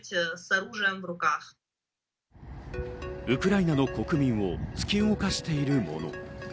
ウクライナの国民を突き動かしているもの。